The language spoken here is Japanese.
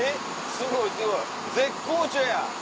すごいすごい絶好調や！